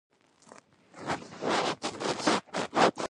تواب وویل زه ځمکې ته ځم.